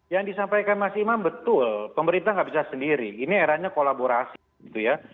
yang disampaikan mas imam betul pemerintah nggak bisa sendiri ini eranya kolaborasi gitu ya